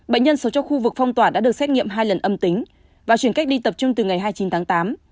bệnh nhân số trong khu vực phong tỏa đã được xét nghiệm hai lần âm tính và chuyển cách ly tập trung từ ngày hai mươi chín tháng tám